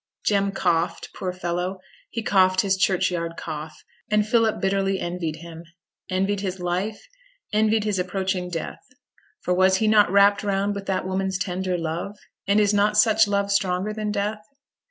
Jem coughed, poor fellow! he coughed his churchyard cough; and Philip bitterly envied him envied his life, envied his approaching death; for was he not wrapped round with that woman's tender love, and is not such love stronger than death?